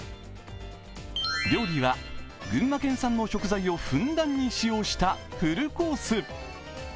料理は群馬県産の食材をふんだんに使用したフルコース。